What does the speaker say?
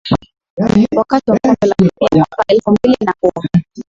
wakati wa kombe la dunia mwaka elfu mbili na kumi